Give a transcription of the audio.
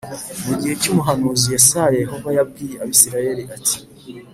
Mu gihe cy’ umuhanuzi Yesaya Yehova yabwiye Abisirayeli ati